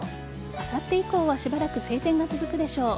あさって以降はしばらく晴天が続くでしょう。